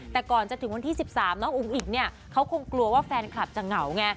แต่ก่อนจะถึงวันที่๑๓น้องอุ๋งอิ๋งเนี่ยเขาคงกลัวว่าแฟนคลับจะเหงาไง